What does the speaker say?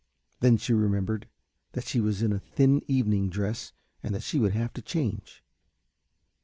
Then she remembered that she was in a thin evening dress and that she would have to change.